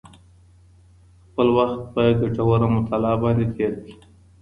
خپل وخت په ګټوره مطالعه باندې تېر کړئ.